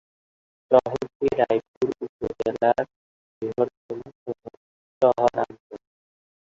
শহরটি রায়পুর উপজেলার বৃহত্তম শহরাঞ্চল।